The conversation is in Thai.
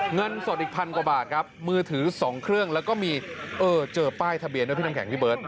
เงินสดอีกพันกว่าบาทครับมือถือ๒เครื่องแล้วก็มีเจอป้ายทะเบียนด้วยพี่น้ำแข็งพี่เบิร์ต